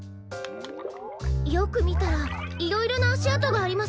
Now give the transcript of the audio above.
よくみたらいろいろなあしあとがあります。